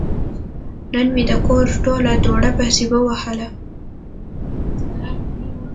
نن مې د کور ټوله دوړه پسې ووهله.